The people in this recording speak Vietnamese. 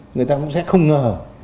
người ta cũng sẽ không ngờ